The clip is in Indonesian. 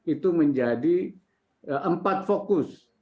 itu menjadi empat fokus